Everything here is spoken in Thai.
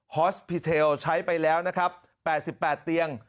ฮอสปีเทลใช้ไปแล้ว๘๘เตียง